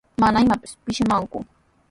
Mana imapis pishimanku.